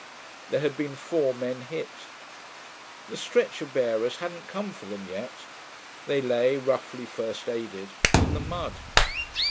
There had been four men hit. The stretcher bearers hadn't come for them yet; they lay, roughly first aided, in the mud.